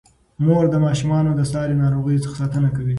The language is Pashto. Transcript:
مور د ماشومانو د ساري ناروغیو څخه ساتنه کوي.